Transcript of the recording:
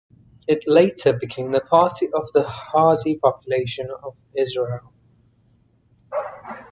It later became the Party of the Haredi population of Israel.